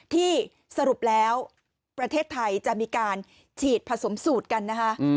ที่สรุปแล้วประเทศไทยจะมีการฉีดผสมสูตรกันนะคะ